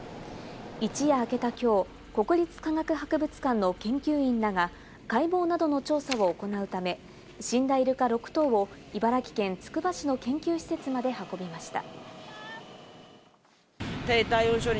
一夜明けた今日、国立科学博物館の研究員らが、解剖などの調査を行うため、死んだイルカ６頭を茨城県つくば市の研究施設まで運びました。